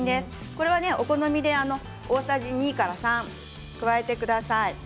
これはお好みで大さじ２から３加えてください。